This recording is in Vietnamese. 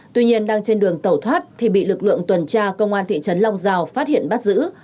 tuy nhiên đang trên đường tẩu thoát thì bị lực lượng tuần tra công an thị trấn long giao phát hiện bắt giữ